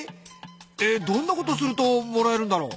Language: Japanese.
えっどんなことするともらえるんだろう？